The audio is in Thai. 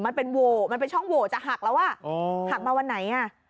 มันเป็นโหวมันเป็นช่องโหวจะหักแล้วอ่ะหักมาวันไหนอ่ะ